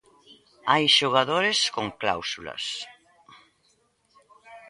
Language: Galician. Hai xogadores con cláusulas.